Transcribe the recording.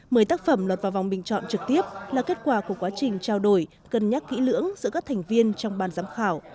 mườ tác phẩm lọt vào vòng bình chọn trực tiếp là kết quả của quá trình trao đổi cân nhắc kỹ lưỡng giữa các thành viên trong ban giám khảo